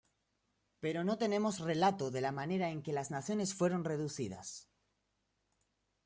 Pero no tenemos relato de la manera en que las naciones fueron reducidas.